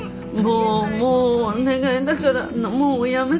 もうもうお願いだからもうやめて。